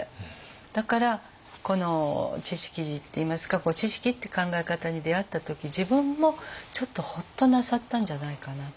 だからこの智識寺っていいますか智識って考え方に出会った時自分もちょっとホッとなさったんじゃないかなと。